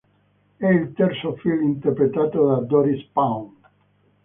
È il terzo film interpretato da Doris Pawn.